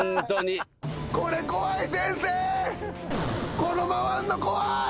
この回るの怖い！